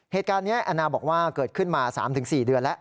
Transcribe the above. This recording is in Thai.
เหตุการณ์นี้แอนนาบอกว่าเกิดขึ้นมา๓๔เดือนแล้ว